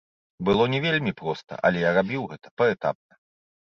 Было не вельмі проста, але я рабіў гэта паэтапна.